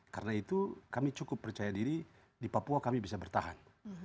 karena itu kami cukup percaya diri di papua kami bisa bertahan